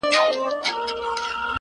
هغه شپه مي ټوله سندريزه وه.